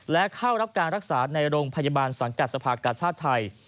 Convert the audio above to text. และเข้ารับการรักษาในโรงพยาบาลสังกัดสภากาชาติไทย